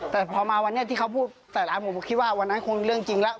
แต่พอมาวันนี้ที่เขาพูดใส่ร้านผมคิดว่าวันนั้นคงเรื่องจริงแล้ว